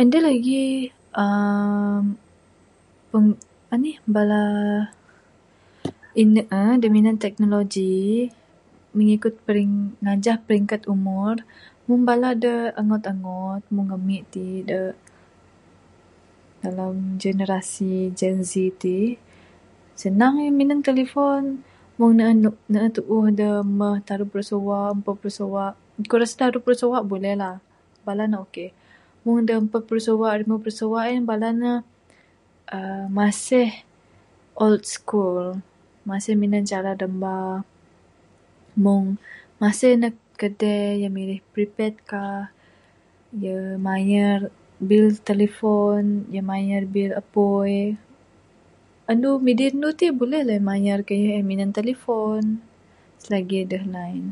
Aduh lagik uhh peng anih, bala inya da minan teknoloji mengikut pering, ngajah peringkat umur. Mung bala da o'ngod o'ngod, mung amik tik da dalam generasi Gen-Z tik, senang mik minan telefon. Mung ne'uh tu'uh da muh taruh puru sawa, empat puru sawa. Kuk rasa duweh puru sawa buleh lah. Bala ne ok. Mun da empat puru sawas, rimuh puru sawa en, bala ne uhh masih old school. Masih minan cara damba. Mung masih ndug kadei ne mirit prepaid card. Ye mayar bil telefon, ye mayar bil apui. Andu madi andu tik buleh mayar kayuh he minan telefon. Selagik aduh line.